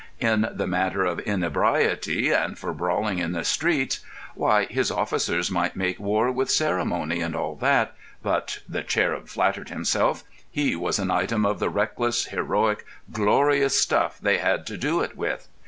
In the matter of inebriety, and for brawling in the streets, why, his officers might make war with ceremony and all that, but (the cherub flattered himself) he was an item of the reckless, heroic, glorious stuff they had to do it with.